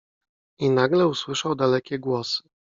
I nagle usłyszał dalekie głosy.